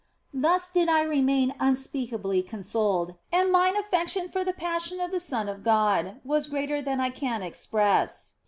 " Thus did I remain unspeakably consoled, and mine affection for the Passion of the Son of God was greater than I can express.